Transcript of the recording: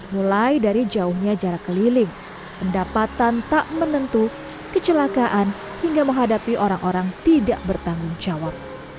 mulai dari jauhnya jarak keliling pendapatan tak menentu kecelakaan hingga menghadapi orang orang tidak bertanggung jawab